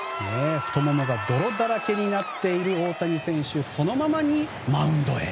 太ももが泥だらけになっている大谷選手、そのままマウンドへ。